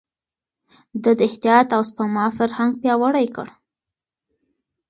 ده د احتياط او سپما فرهنګ پياوړی کړ.